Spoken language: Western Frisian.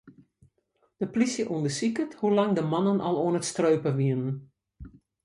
De plysje ûndersiket hoe lang de mannen al oan it streupen wiene.